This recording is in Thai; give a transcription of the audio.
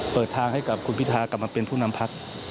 เปิดทางให้กับคุณพิทากลับมาเป็นผู้นำพัก